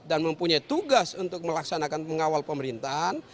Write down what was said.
dan mempunyai tugas untuk melaksanakan pengawal pemerintahan